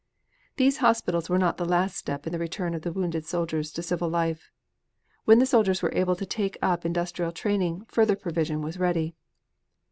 These hospitals were not the last step in the return of the wounded soldiers to civil life. When the soldiers were able to take up industrial training, further provision was ready.